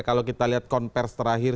kalau kita lihat konversi terakhir